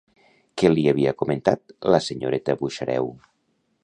Què li havia comentat la senyoreta Buxareu?